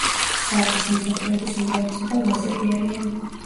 სარფის მოსახლეობის უმრავლესობა ლაზები არიან.